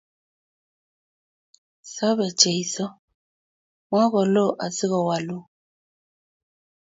Sobei Jesu, ma ko lo asikolawalun